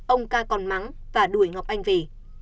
ông ca còn mắng và đuổi ngọc anh về